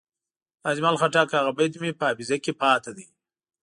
د اجمل خټک هغه بیت مې په حافظه کې پاتې دی.